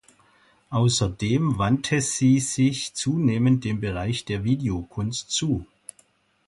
Außerdem wandte sie sich zunehmend dem Bereich der Videokunst zu.